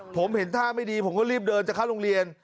ผมเห็นท่าไม่ดีผมก็รีบเดินจะเข้าโรงเรียน